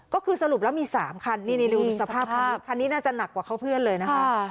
ก็คือสรุปแล้วมี๓คันนี่ดูสภาพคันนี้คันนี้น่าจะหนักกว่าเขาเพื่อนเลยนะคะ